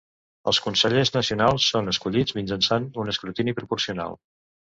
Els consellers nacionals són escollits mitjançant un escrutini proporcional.